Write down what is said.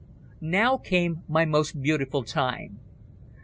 Now came my most beautiful time.